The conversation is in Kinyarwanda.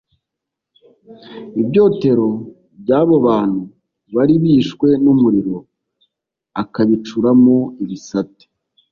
Ibyotero by abo bantu bari bishwe n umuriro akabicuramo ibisate